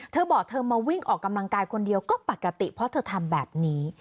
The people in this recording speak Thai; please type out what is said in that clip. เธอบอกเธอมาวิ่งออกกำลังกายคนเดียวก็ปกติเพราะเธอทำแบบนี้